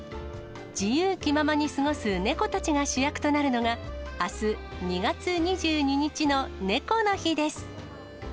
自由気ままに過ごす猫たちが主役となるのが、あす２月２２日の猫の日です。